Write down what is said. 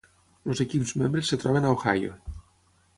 Els equips membres es troben a Ohio.